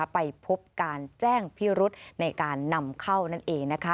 ไปพบการแจ้งพิรุธในการนำเข้านั่นเอง